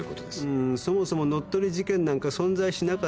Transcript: んーそもそも乗っ取り事件なんか存在しなかった。